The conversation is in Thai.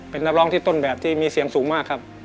เป็นนักร้องที่ต้นแบบที่มีเสียงสูงมากครับ